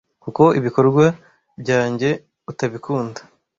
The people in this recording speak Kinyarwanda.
Kuko ibikorwa byanjye utabikunda